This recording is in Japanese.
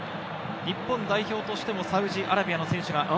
日本代表としてもサウジアラビアの選手が。